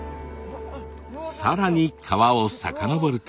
更に川を遡ると。